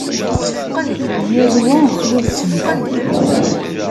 Yal wa s wass-is.